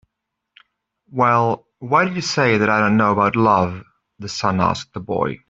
"Well, why did you say that I don't know about love?" the sun asked the boy.